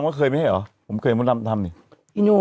ม้วดำก็เคยมั้ยหรอผมเคยทำตั้งเนี่ย